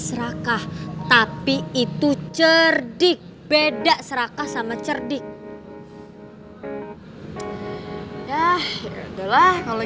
sekarang bawa sini hp lo